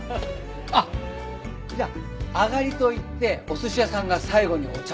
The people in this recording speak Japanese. あっじゃあアガリといってお寿司屋さんが最後にお茶を出すのも。